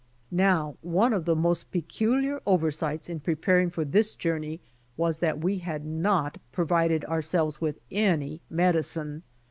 Now €ne of the most peculiar oversights in pre paring for this journey was that we had not provided ourselves with any medicine.